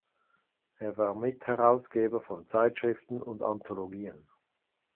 Er war Mitherausgeber von Zeitschriften und Anthologien.